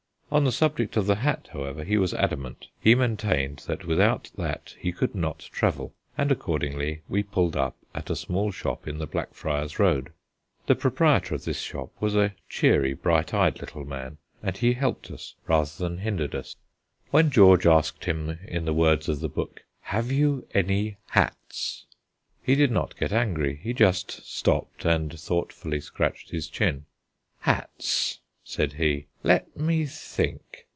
On the subject of the hat, however, he was adamant. He maintained that without that he could not travel, and, accordingly, we pulled up at a small shop in the Blackfriars Road. The proprietor of this shop was a cheery, bright eyed little man, and he helped us rather than hindered us. When George asked him in the words of the book, "Have you any hats?" he did not get angry; he just stopped and thoughtfully scratched his chin. "Hats," said he. "Let me think.